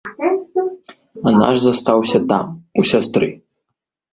А наш застаўся там, у сястры.